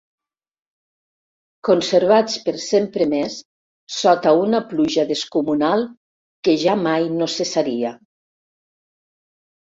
Conservats per sempre més sota una pluja descomunal que ja mai no cessaria.